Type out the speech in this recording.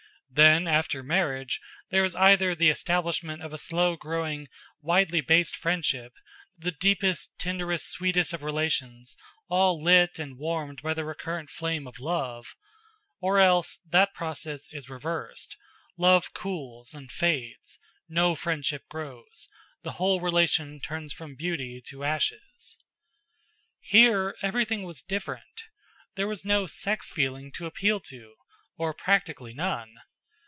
Then, after marriage, there is either the establishment of a slow growing, widely based friendship, the deepest, tenderest, sweetest of relations, all lit and warmed by the recurrent flame of love; or else that process is reversed, love cools and fades, no friendship grows, the whole relation turns from beauty to ashes. Here everything was different. There was no sex feeling to appeal to, or practically none.